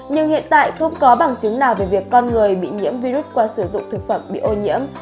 nhưng hiện tại không có bằng chứng nào về việc con người bị nhiễm virus qua sử dụng thực phẩm bị ô nhiễm